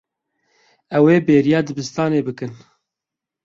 Ew ê bêriya dibistanê bikin.